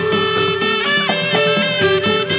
โปรดติดตามต่อไป